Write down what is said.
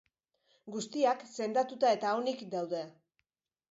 Guztiak sendatuta eta onik daude.